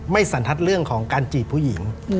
สันทัศน์เรื่องของการจีบผู้หญิง